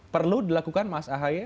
perlu dilakukan mas ahaye